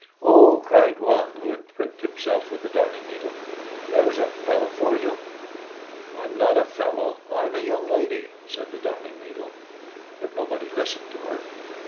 "Oh!" cried one, who had pricked himself with the Darning needle, "there's a fellow for you!" "I'm not a fellow; I'm a young lady!" said the Darning needle. But nobody listened to her.